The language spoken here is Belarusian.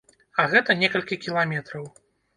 А гэта некалькі кіламетраў.